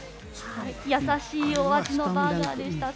優しいお味のバーガーでした。